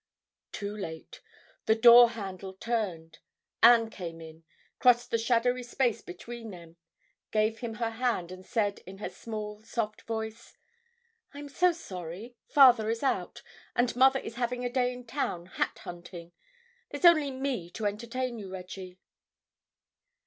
Too late. The door handle turned. Anne came in, crossed the shadowy space between them, gave him her hand, and said, in her small, soft voice, "I'm so sorry, father is out. And mother is having a day in town, hat hunting. There's only me to entertain you, Reggie."